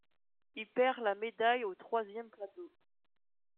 Il perd la médaille au troisième plateau.